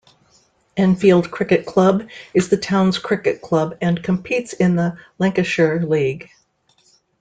Enfield Cricket Club is the town's cricket club and competes in the Lancashire League.